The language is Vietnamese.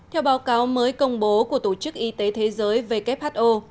theo báo cáo mới công bố của tổ chức y tế thế giới who